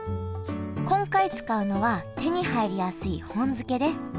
今回使うのは手に入りやすい本漬けです。